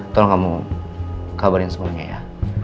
tolong kamu kabarin semuanya ya